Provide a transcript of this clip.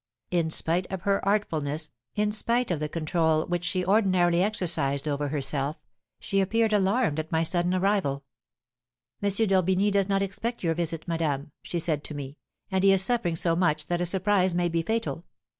In spite of her artfulness, in spite of the control which she ordinarily exercised over herself, she appeared alarmed at my sudden arrival. 'M. d'Orbigny does not expect your visit, madame,' she said to me, 'and he is suffering so much that a surprise may be fatal.